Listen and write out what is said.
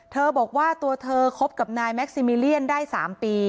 บอกว่าตัวเธอคบกับนายแม็กซิมิเลียนได้๓ปี